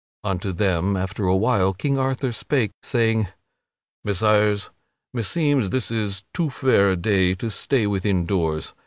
Unto them, after a while, King Arthur spake, saying: "Messires, meseems this is too fair a day to stay within doors.